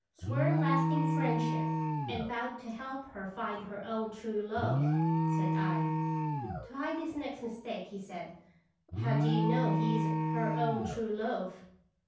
Sworn lasting friendship, and vowed to help her find her own true love," said I. To hide his next mistake he said, "How do you know he is her own true love